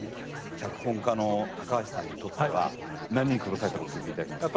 脚本家の高橋さんにとっては何に苦労されたか教えて頂けますか？